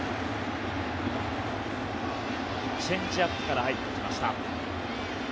チェンジアップから入ってきました。